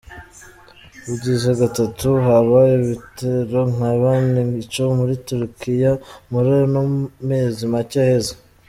Bugize gatatu haba ibitero nka bene ico muri Turkiya muri ano mezi make aheze.